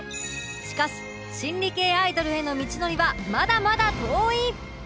しかし心理系アイドルへの道のりはまだまだ遠い